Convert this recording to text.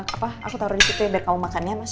apa aku taruh di situ ya biar kamu makan ya mas